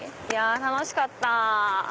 楽しかった。